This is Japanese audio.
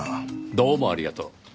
どうもありがとう。